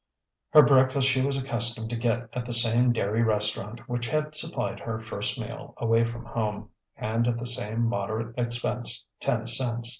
Her breakfast she was accustomed to get at the same dairy restaurant which had supplied her first meal away from home, and at the same moderate expense ten cents.